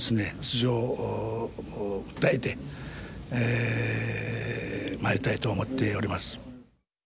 実情を訴えてまいりたいと思っております。